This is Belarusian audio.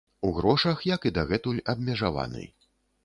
У грошах, як і дагэтуль, абмежаваны.